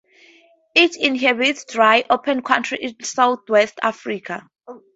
It inhabits dry, open country in southwest Africa.